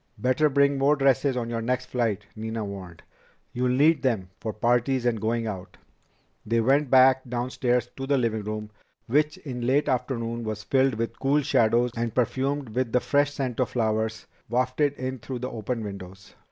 "Better bring more dresses on your next flight," Nina warned. "You'll need them for parties and going out." They went back downstairs to the living room, which in late afternoon was filled with cool shadows and perfumed with the fresh scent of flowers wafted in through the open windows.